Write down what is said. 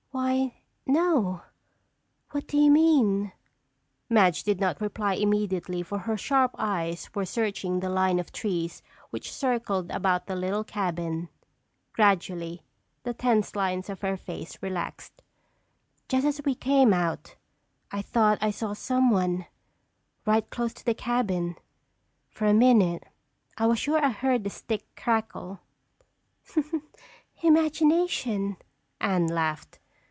Why, no. What do you mean?" Madge did not reply immediately for her sharp eyes were searching the line of trees which circled about the little cabin. Gradually, the tense lines of her face relaxed. "Just as we came out, I thought I saw someone—right close to the cabin. For a minute, I was sure I heard a stick crackle." "Imagination!" Anne laughed.